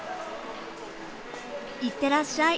行ってらっしゃい。